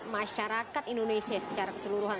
masyarakat indonesia secara keseluruhan